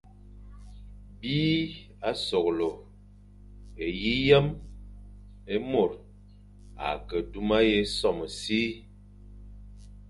B î a soghle e yi yem é môr a ke duma yʼé sôm si,